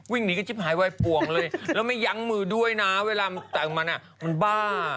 วิ่งหนีกระจิ๊บหายไวป่วงเลยแล้วไม่ยั้งมือด้วยนะเวลามันแต่งมันมันบ้า